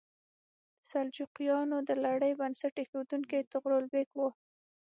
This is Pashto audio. د سلجوقیانو د لړۍ بنسټ ایښودونکی طغرل بیګ و.